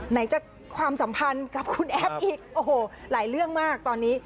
ไหนจะความสัมพันธ์กับคุณแอฟอีกโอ้โหหลายเรื่องมากตอนนี้